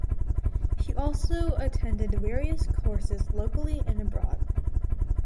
He also attended various courses locally and abroad.